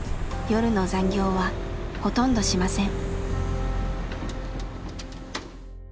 夜の残業はほとんどしません。